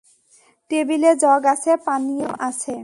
টেবিলে জগ আছে, পানিও আছে।